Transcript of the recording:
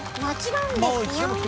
もちろんですよ。